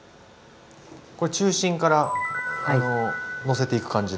これ中心からのせていく感じなんですね。